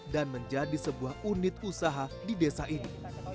menjadi sebuah unit usaha di desa ini